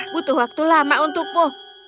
butuh waktu lama untukmu